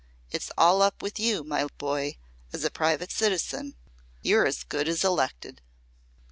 It's all up with you, my boy, as a private citizen. You're as good as elected."